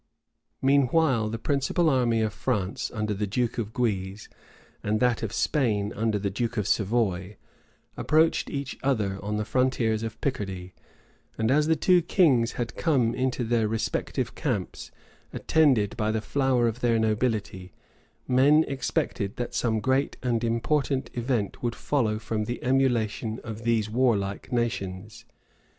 [*]* Holigshed, p. 1150. Meanwhile the principal army of France under the duke of Guise, and that of Spain under the duke of Savoy, approached each other on the frontiers of Picardy; and as the two kings had come into their respective camps, attended by the flower of their nobility, men expected that some great and important event would follow from the emulation of these warlike nations.